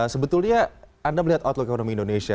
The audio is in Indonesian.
sebetulnya anda melihat outlook ekonomi indonesia